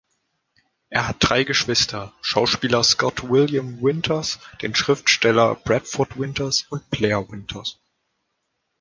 Er hat drei Geschwister: Schauspieler Scott William Winters, den Schriftsteller Bradford Winters und Blair Winters.